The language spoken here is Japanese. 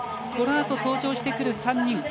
この後登場してくる３人。